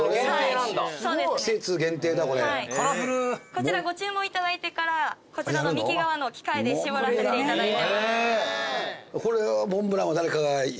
こちらご注文頂いてからこちらの右側の機械で絞らせていただいて。